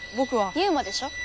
ユウマでしょ？